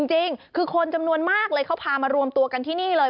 จริงคือคนจำนวนมากเลยเขาพามารวมตัวกันที่นี่เลย